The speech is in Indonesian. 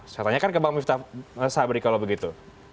saya tanyakan ke bang miftah sabri kalau begitu